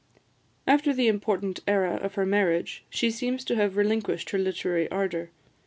After the important era of her marriage, she seems to have relinquished her literary ardour.